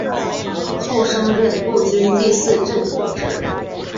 后升任陆军第四镇统制。